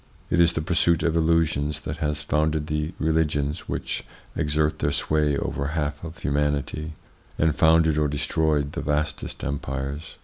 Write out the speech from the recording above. It is the pursuit of illusions that has founded the religions which exert their sway over a half of humanity, and founded or destroyed the vastest empires.